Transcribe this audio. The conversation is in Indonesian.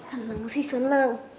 senang sih senang